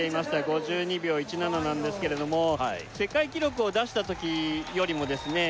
５２秒１７なんですけれども世界記録を出した時よりもですね